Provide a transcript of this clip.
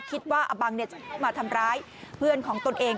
ว่าอบังจะมาทำร้ายเพื่อนของตนเอง